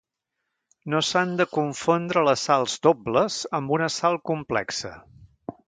No s'han de confondre les sals dobles amb una sal complexa.